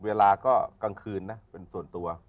เวลาก็กลางคืนนะเป็นส่วนตัว